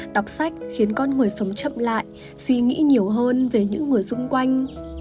đọc sách khiến con người sống chậm lại suy nghĩ nhiều hơn về những người xung quanh